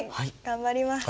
頑張ります。